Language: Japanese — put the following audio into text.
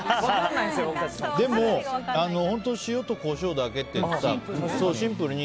でも、本当塩とコショウだけって言ってたけどシンプルに。